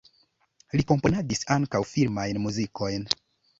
Li komponadis ankaŭ filmajn muzikojn.